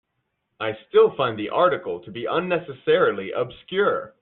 I still find the article to be unnecessarily obscure.